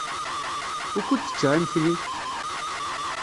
Wukud tečča imekli?